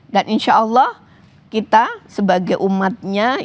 dan insya allah kita sebagai umatnya